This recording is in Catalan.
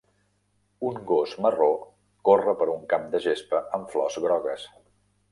Un gos marró corre per un camp de gespa amb flors grogues.